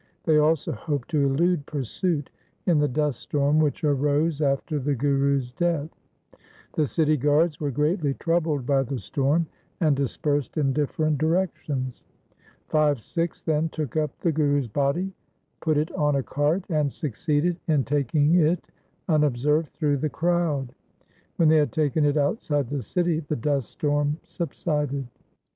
They also hoped to elude pursuit in the dust storm which arose after the Guru's death. The city guards were greatly troubled by the storm, and dispersed in different directions. Five Sikhs then took up the Guru's body, put it on a cart, and succeeded in taking it unobserved through the crowd. When they had taken it outside the city the dust storm subsided.